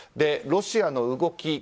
ロシアの動き